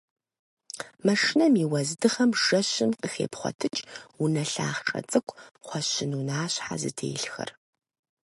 Машинэм и уэздыгъэм жэщым къыхепхъуэтыкӏ унэ лъахъшэ цӏыкӏу кхъуэщын унащхьэ зытелъхэр.